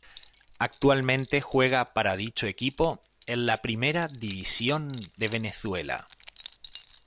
Actualmente juega para dicho equipo en la Primera División de Venezuela.